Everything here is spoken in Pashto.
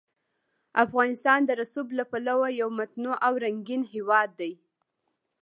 افغانستان د رسوب له پلوه یو متنوع او رنګین هېواد دی.